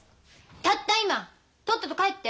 たった今とっとと帰って。